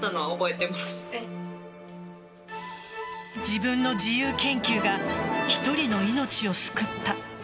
自分の自由研究が１人の命を救った。